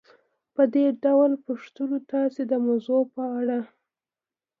په دې ډول پوښتنو تاسې د موضوع په اړه